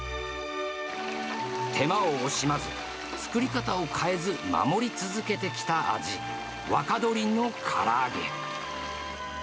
手間を惜しまず、作り方を変えず、守り続けてきた味、若鶏のから揚げ。